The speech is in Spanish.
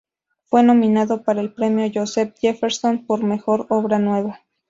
Fue nominado para el Premio Joseph Jefferson por Mejor Obra Nueva.